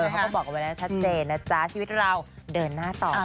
เขาก็บอกเอาไว้แล้วชัดเจนนะจ๊ะชีวิตเราเดินหน้าต่อไป